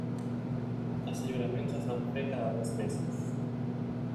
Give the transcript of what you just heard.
Els lliuraments es van fer cada dos mesos.